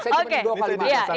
saya cuma ingin dua kalimat